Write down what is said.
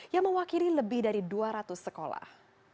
yang mewakili lebih dari dua ratus sekolah